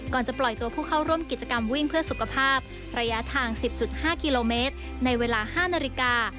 ก่อนจะปล่อยตัวผู้เข้าร่วมกิจกรรมวิ่งเพื่อสุขภาพระยะทาง๑๐๕กิโลเมตรในเวลา๕นาฬิกา